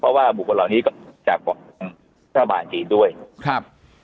เพราะว่าบุคละเหล่านี้ก็จะประกันภาษาธรรมบาลจีนด้วยครับ